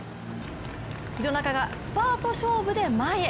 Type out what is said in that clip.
廣中がスパート勝負で前へ。